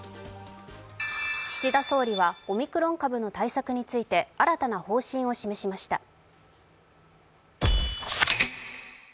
岸田総理はオミクロン株の対策について、新たな方針を示しました。